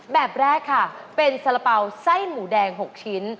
แบบแรกค่ะเป็นสาระเป๋าไส้หมูแดง๖ชิ้น